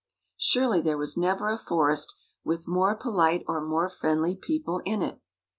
Surely there was never a forest with more polite or more friendly people in it.